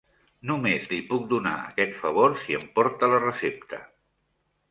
Només li puc donar aquest favor si em porta la recepta?